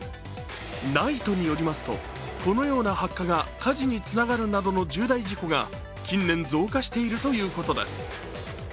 ＮＩＴＥによりますと、このような発火が火事につながるなどの重大事故が近年、増加しているということです。